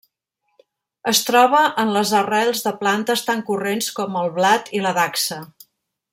Es troba en les arrels de plantes tan corrents com el blat i la dacsa.